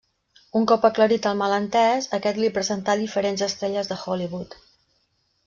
Un cop aclarit el malentès aquest li presenta diferents estrelles de Hollywood.